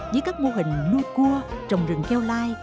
với các mô hình nuôi cua trồng rừng keo lai